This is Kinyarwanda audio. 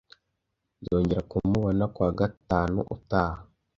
Nzongera kumubona kuwa gatanu utaha.